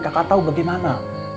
kakak tau bagaimana